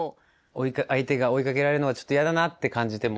相手が追いかけられるのがちょっと嫌だなって感じても。